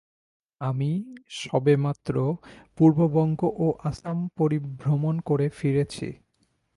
আমি সবেমাত্র পূর্ববঙ্গ ও আসাম পরিভ্রমণ করে ফিরেছি।